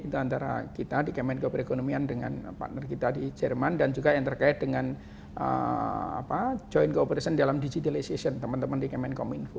itu antara kita di kemenko perekonomian dengan partner kita di jerman dan juga yang terkait dengan joint cooperation dalam digitalization teman teman di kemenkominfo